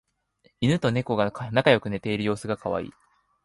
イヌとネコが仲良く寝ている様子がカワイイ